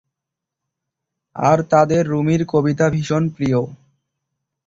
আর তাঁদের রুমির কবিতা ভীষণ প্রিয়।